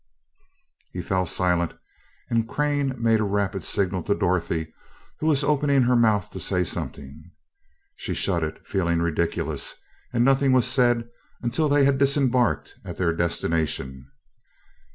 He fell silent and Crane made a rapid signal to Dorothy, who was opening her mouth to say something. She shut it, feeling ridiculous, and nothing was said until they had disembarked at their destination.